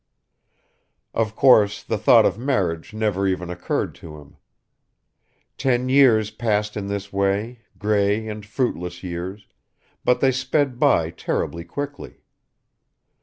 Of course the thought of marriage never even occurred to him. Ten years passed in this way, grey and fruitless years, but they sped by terribly quickly.